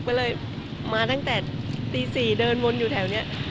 ก็เลยมาตั้งแต่ตี๔เดินวนอยู่แถวนี้